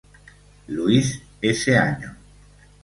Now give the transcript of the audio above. Louis", ese año.